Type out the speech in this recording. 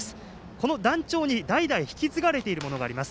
この団長に代々引き継がれているものがあります。